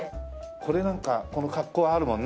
これなんかこの格好あるもんな。